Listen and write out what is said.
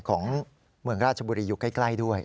ของเมืองราชบุรีอยู่ใกล้ด้วย